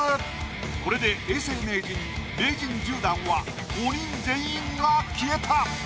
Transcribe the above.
これで永世名人名人１０段は５人全員が消えた。